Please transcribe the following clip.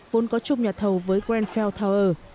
vốn có chung nhà thầu với grenfell tower